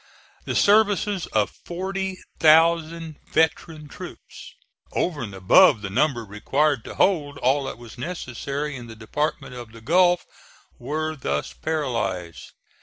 The services of forty thousand veteran troops, over and above the number required to hold all that was necessary in the Department of the Gulf, were thus paralyzed.